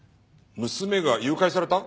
娘が誘拐された？